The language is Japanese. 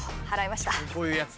こういうやつ？